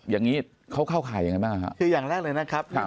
อย่างนี้เขาเข้าข่ายยังไงบ้างฮะคืออย่างแรกเลยนะครับ